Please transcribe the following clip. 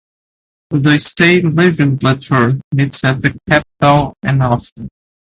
The state legislature meets at the Capitol in Austin.